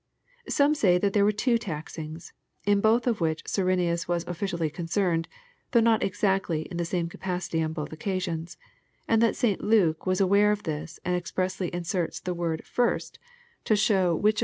Some say that there were two taxings, in both of which Cy renius was officially concerned, though not exactly in the same capacity on both occasions, — and that St Luke was aware of this and expressly inserts the word " first/' to show ^which d 54 EXPOSITORY THOUGHTS.